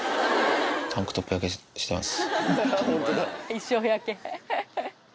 タンクトップ焼けしてます。